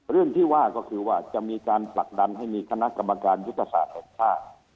เรื่องที่ว่าก็คือว่าจะมีการผลักดันให้มีคณะกรรมการยุทธศาสตร์ของภาค